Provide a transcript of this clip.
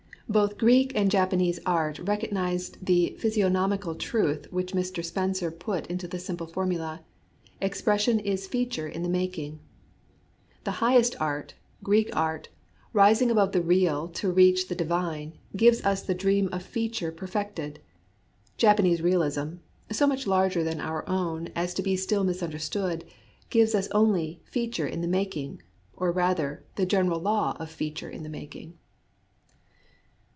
Both Greek and Japanese art recognized the physiognomical truth which Mr. Spencer put into the simple formula, " Expression is feature in the making P The highest art, Greek art, rising above the real to reach the divine, gives us the dream of feature per fected. Japanese realism, so much larger than our own as to be still misunderstood, gives us only "feature in the making," or rather, the general law of feature in the making.